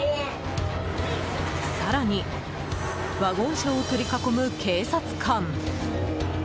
更に、ワゴン車を取り囲む警察官。